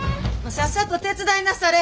さっさと手伝いなされ。